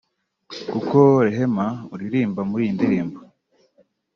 kuko Rehema uririmbwa muri iyi ndirimbo